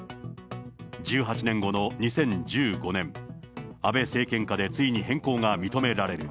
１８年後の２０１５年、安倍政権下で、ついに変更が認められる。